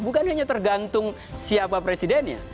bukan hanya tergantung siapa presidennya